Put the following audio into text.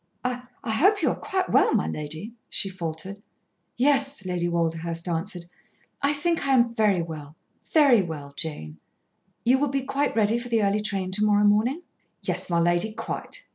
"I hope you are quite well, my lady," she faltered. "Yes," Lady Walderhurst answered. "I think I am very well very well, Jane. You will be quite ready for the early train to morrow morning." "Yes, my lady, quite."